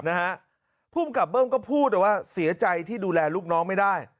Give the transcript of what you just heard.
นะฮะภูมิกับเบิ้มก็พูดว่าเสียใจที่ดูแลลูกน้องไม่ได้